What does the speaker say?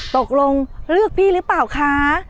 ตกลงเลือกพี่หรือเปล่าคะ